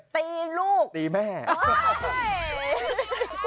ตีลูกตีแม่โอ้โฮ